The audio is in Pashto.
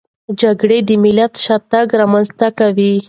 جګړه د ملت شاتګ رامنځته کوي.